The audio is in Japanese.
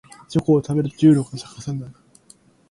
チョコを食べると重力が逆さになる